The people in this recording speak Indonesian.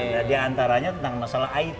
nah diantaranya tentang masalah aib